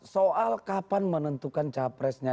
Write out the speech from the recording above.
soal kapan menentukan capresnya